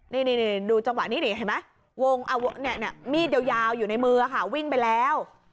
นี่ดูจังหวะนี้เห็นไหมมีดยาวอยู่ในมือวิ่งไปแล้ว